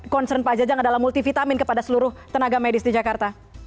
concern pak jajang adalah multivitamin kepada seluruh tenaga medis di jakarta